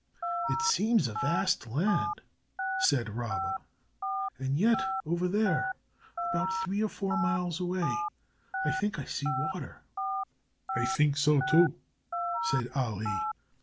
"It seems a vast land," said Rabba, "and yet over there, about three or four miles away, I think I see water." "I think so, too," said Ali.